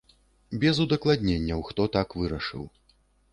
Без удакладненняў, хто так вырашыў.